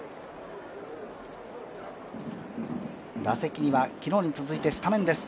打席には昨日に続いてスタメンです。